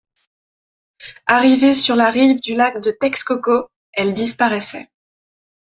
Arrivée sur la rive du lac de Texcoco, elle disparaissait.